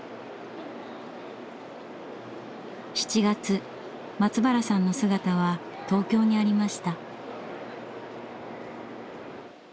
７月松原さんの姿は東京にありました。